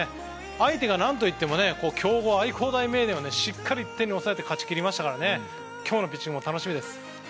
相手が何といっても強豪の愛工大名電をしっかり１点に抑えて勝ち切りましたから今日のピッチングも楽しみです。